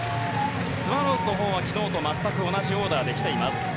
スワローズのほうは昨日と全く同じオーダーで来ています。